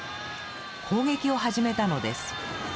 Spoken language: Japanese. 攻撃を始めたのです。